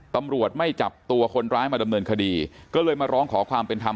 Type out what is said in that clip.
ตำรวจไม่จับตัวคนร้ายมาดำเนินคดีก็เลยมาร้องขอความเป็นธรรม